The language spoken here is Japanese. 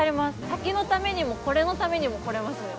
滝のためにも、これのためにも来れますね。